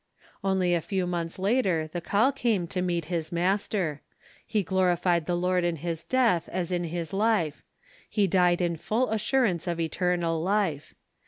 Only a few months later the call came to meet his Master. He glorified the Lord in his death as in his life; he died in full assurance of Eternal Life.